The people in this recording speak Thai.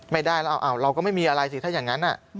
ไม่ได้แล้วเราก็ไม่มีอะไรสิถ้าอย่างนั้น